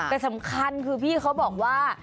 แต่สำคัญคือพี่เขาบอกว่า